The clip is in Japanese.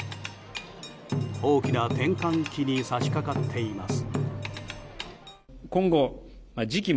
大きな転換期に差し掛かっています。